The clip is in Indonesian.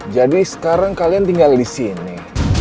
jadi sekarang kalian tinggal di sini